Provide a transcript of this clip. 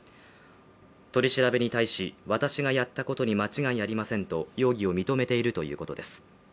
取り調べに対し私がやったことに間違いありませんと容疑を認めているということです。